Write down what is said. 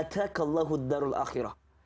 atakallahu d darul akhirah